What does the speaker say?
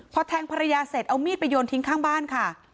พอแทงภรรยาเสร็จเอามีดไปโยนทิ้งข้างบ้านค่ะ